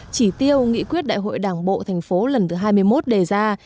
chỉ tiêu nghị quyết đại hội đảng bộ thành phố lần thứ hai mươi một đề ra